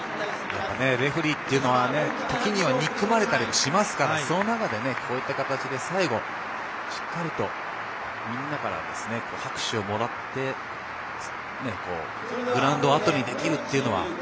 レフェリーというのは時には憎まれたりしますけれどこういう形で、しっかりとみんなから拍手をもらってグラウンドをあとにできるというのは。